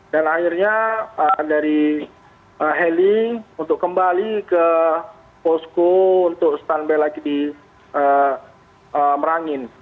dan akhirnya dari heli untuk kembali ke posko untuk standby lagi di merangin